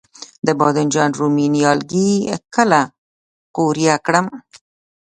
د بانجان رومي نیالګي کله قوریه کړم؟